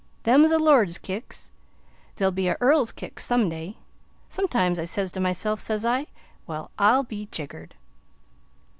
Them's a lord's kicks; they'll be a earl's kicks some day. Sometimes I says to myself, says I, 'Well, I'll be jiggered!'"